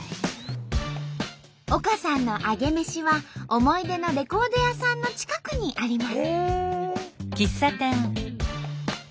丘さんのアゲメシは思い出のレコード屋さんの近くにあります。